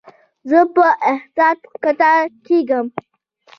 زه په احتیاط کښته کېږم.